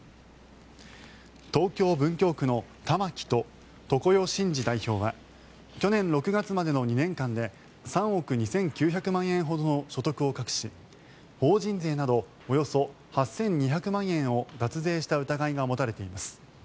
東京・文京区のたまきと常世眞司代表は去年６月までの２年間で３億２９００万円ほどの所得を隠し法人税などおよそ８２００万円を脱税した疑いが持たれています。